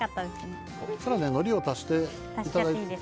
のりを足していただいて。